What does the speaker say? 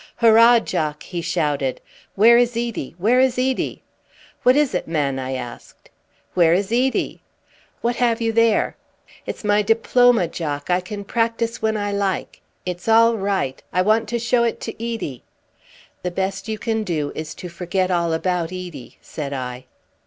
"Hurrah, Jock!" he shouted. "Where is Edie? Where is Edie?" "What is it, man?" I asked. "Where is Edie?" "What have you there?" "It's my diploma, Jock. I can practise when I like. It's all right. I want to show it to Edie." "The best you can do is to forget all about Edie," said I.